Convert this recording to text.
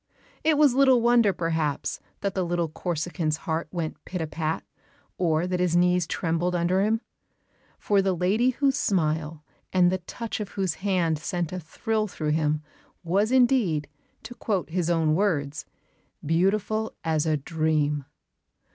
It was little wonder, perhaps, that the little Corsican's heart went pit a pat, or that his knees trembled under him, for the lady whose smile and the touch of whose hand sent a thrill through him, was indeed, to quote his own words, "beautiful as a dream."